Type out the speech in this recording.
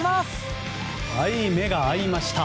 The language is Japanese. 目が合いました！